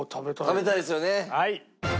食べたいですよね。